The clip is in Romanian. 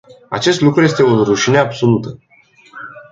Acest lucru este o rușine absolută.